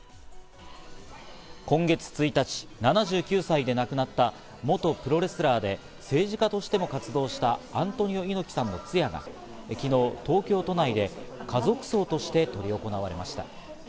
今月１日、７９歳で亡くなった元プロレスラーで政治家としても活動したアントニオ猪木さんの通夜が昨日、東京都内で家族葬として執り行われました。